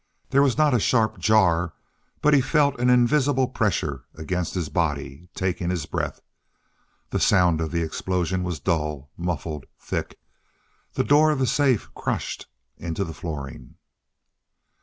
There was not a sharp jar, but he felt an invisible pressure against his body, taking his breath. The sound of the explosion was dull, muffled, thick. The door of the safe crushed into the flooring.